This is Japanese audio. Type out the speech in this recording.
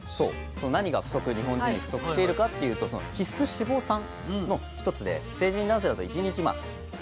何が日本人に不足しているかっていうと必須脂肪酸の一つで成人男性だと１日１．６ｇ。